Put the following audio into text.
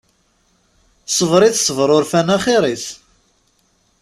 Sber i tesber urfan axir-is.